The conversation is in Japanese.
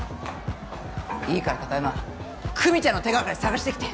いいから貴山久実ちゃんの手がかり探してきて。